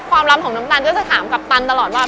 ล้ำของน้ำตาลก็จะถามกัปตันตลอดว่า